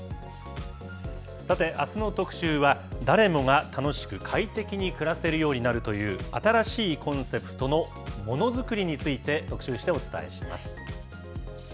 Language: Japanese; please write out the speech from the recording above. さて、あすの特集は、誰もが楽しく快適に暮らせるようになるという、新しいコンセプトのもの作りについて特集してお伝えします。